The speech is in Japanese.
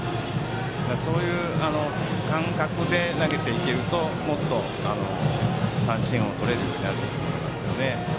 そういう感覚で投げていけるともっと三振をとれると思います。